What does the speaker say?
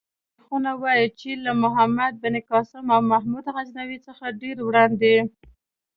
تاریخونه وايي چې له محمد بن قاسم او محمود غزنوي څخه ډېر وړاندې.